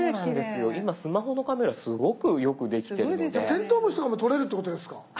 テントウムシとかも撮れるってことですか？